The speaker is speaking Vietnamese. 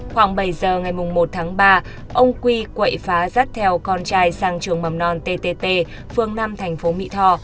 khoảng bảy giờ ngày một tháng ba ông quy quậy phá rắt theo con trai sang trường mầm non tt phường năm thành phố mỹ tho